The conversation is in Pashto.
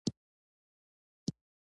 خو د کارایب فسیلونه د انسان دخالت ثابتوي.